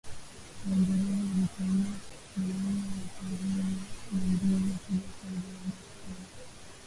Waingereza walitumia sheria ya dharura na nguvu ya kijeshi mjini Boston